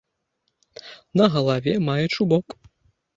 На галаве мае чубок.